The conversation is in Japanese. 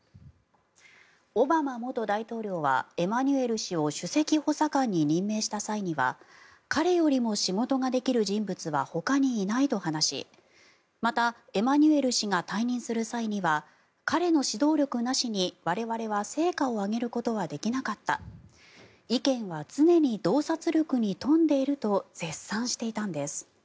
オバマ元大統領はエマニュエル氏を首席補佐官に任命した際には彼よりも仕事ができる人物はほかにいないと話しまた、エマニュエル氏が退任する際には彼の指導力なしに我々は成果を上げることはできなかった意見は常に洞察力に富んでいると絶賛していたんです。